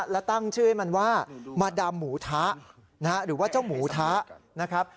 และตั้งชื่อให้มันว่ามาดามหมูทะหรือว่าเจ้าหมูทะนะครับ